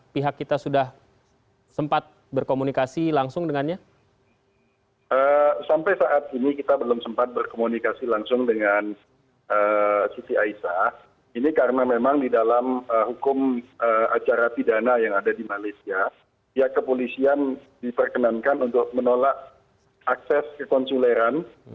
pihak kepolisian diperkenankan untuk menolak akses ke konsuleran